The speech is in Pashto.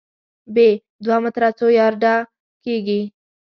ب: دوه متره څو یارډه کېږي؟